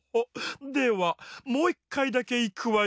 ではもういっかいだけいくわよ。